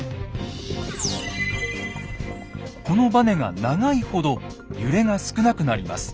このバネが長いほど揺れが少なくなります。